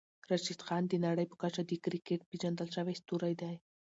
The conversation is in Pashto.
راشدخان د نړۍ په کچه د کريکيټ پېژندل شوی ستوری دی.